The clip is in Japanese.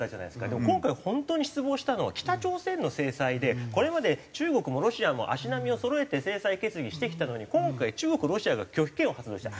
でも今回本当に失望したのは北朝鮮の制裁でこれまで中国もロシアも足並みをそろえて制裁決議してきたのに今回中国とロシアが拒否権を発動した。